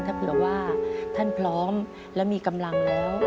ถ้าเผื่อว่าท่านพร้อมและมีกำลังแล้ว